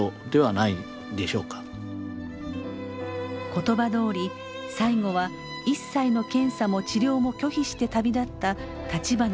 言葉どおり最後は一切の検査も治療も拒否して旅立った立花隆さん。